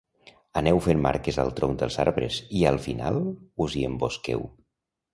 Aneu fent marques al tronc dels arbres i al final us hi embosqueu.